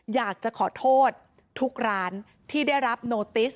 อยากจะขอโทษทุกร้านที่ได้รับโนติส